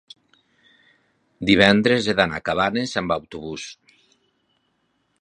Divendres he d'anar a Cabanes amb autobús.